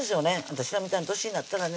私らみたいな年になったらね